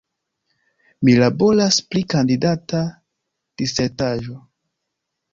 Mi laboras pri kandidata disertaĵo.